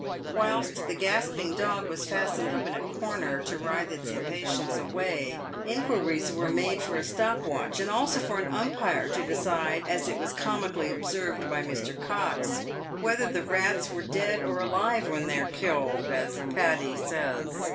"Whilst the gasping dog was* fastened up in a corner to writhe its impatience away, inquiries were made for a stop watch, and also for an umpire to decide, as it was comically observed by Mr. Cox, " whether the rats were dead or alive when they're killed, as Paddy says."